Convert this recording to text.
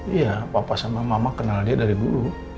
iya papa sama mama kenal dia dari dulu